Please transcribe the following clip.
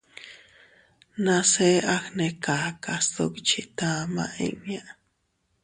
Nase agnekaka sdukchi tama inña.